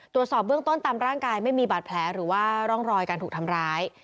ตรวจสอบเบื้องต้นตามร่างกายไม่มีบาดแผลหรือว่าร่องรอยการถูกทำร้าย